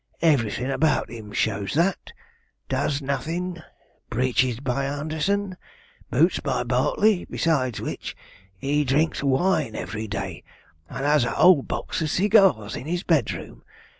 Everything about him shows that. Does nothing breeches by Anderson boots by Bartley; besides which, he drinks wine every day, and has a whole box of cigars in his bedroom.